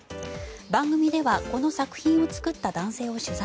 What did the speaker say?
番組ではこの作品を作った男性を取材。